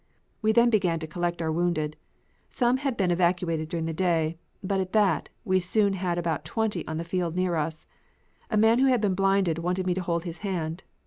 We then began to collect our wounded. Some had been evacuated during the day, but at that, we soon had about twenty on the field near us. A man who had been blinded wanted me to hold his hand.